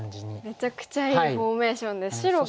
めちゃくちゃいいフォーメーションで白がちょっと。